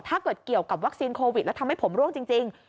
ถ้าเกิดเกี่ยวกับวัคซีนโควิดแล้วทำให้ผมร่วงจริง